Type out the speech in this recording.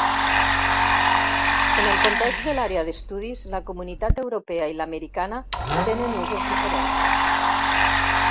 En el context de l'àrea d'estudis, la comunitat europea i l'americana tenen usos diferents.